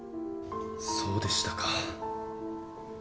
そうでしたか。